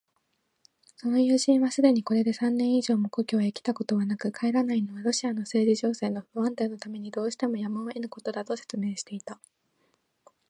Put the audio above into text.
その友人はすでにこれで三年以上も故郷へきたことはなく、帰らないのはロシアの政治情勢の不安定のためにどうしてもやむをえぬことだ、と説明していた。